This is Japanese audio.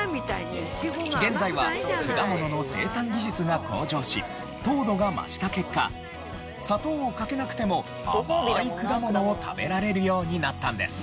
現在は果物の生産技術が向上し糖度が増した結果砂糖をかけなくても甘い果物を食べられるようになったんです。